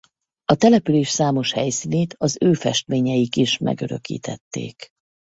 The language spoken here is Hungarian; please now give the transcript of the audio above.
A település számos helyszínét az ő festményeik is megörökítették.